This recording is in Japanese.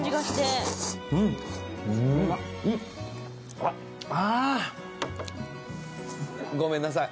もうごめんなさい